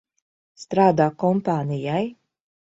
Strādā kompānijai.